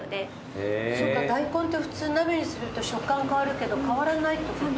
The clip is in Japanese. そっか大根って普通鍋にすると食感が変わるけど変わらないってこと？